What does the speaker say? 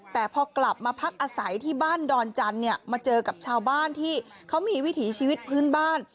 แต่พอกลับมาพักอาศัยที่บ้านดอนจันทร์เนี่ยมาเจอกับชาวบ้านที่เขามีวิถีชีวิตพื้นบ้าน